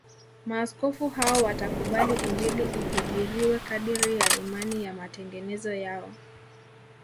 Maaskofu hao watakubali Injili ihubiriwe kadiri ya imani ya matengenezo yao